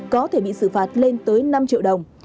có thể bị xử phạt lên tới năm triệu đồng